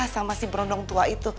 sama si berondong tua itu